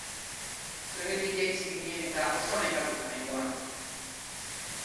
Trenetik jaitsi ginen eta oso nekatuta nengoan.